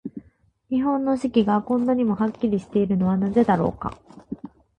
日本の四季が、こんなにもはっきりしているのはなぜだろうか。